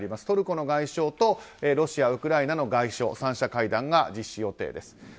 トルコの外相とロシア、ウクライナの外相３者会談が実施予定です。